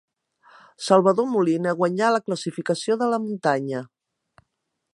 Salvador Molina guanyà la classificació de la muntanya.